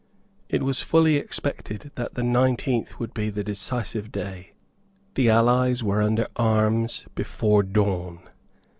It was fully expected that the nineteenth would be the decisive day. The allies were under arms before dawn.